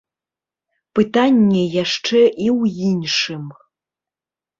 Пытанне яшчэ і ў іншым.